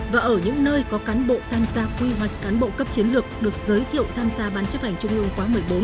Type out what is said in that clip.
và ở những nơi có cán bộ tham gia quy hoạch cán bộ cấp chiến lược được giới thiệu tham gia bán chấp hành trung ương khóa một mươi bốn